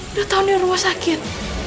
udah tahu nih rumah sakit